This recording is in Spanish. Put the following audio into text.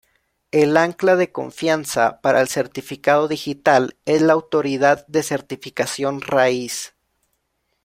El ancla de confianza para el certificado digital es la "autoridad de certificación raíz".